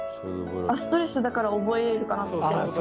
ストレスだから覚えるかなって。